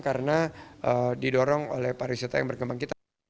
karena didorong oleh pariwisata yang berkembang kita